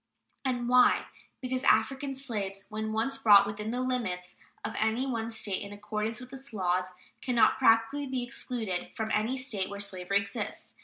And why? Because African slaves, when once brought within the limits of any one State in accordance with its laws, can not practically be excluded from any State where slavery exists.